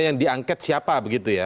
yang diangket siapa begitu ya